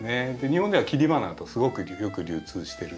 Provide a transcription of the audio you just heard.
日本では切り花とすごくよく流通してる植物です。